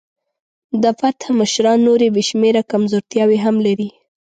د فتح مشران نورې بې شمېره کمزورتیاوې هم لري.